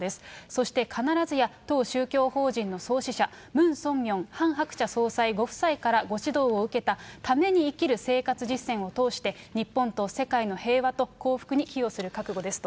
そして、必ずや当宗教法人の創始者、ムン・ソンミョン、ハン・ハクチャ総裁ご夫妻からご指導を受けた、ために生きる生活実践を通して、日本と世界の平和と幸福に寄与する覚悟ですと。